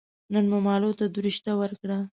نن مو مالو ته دروشته ور کړه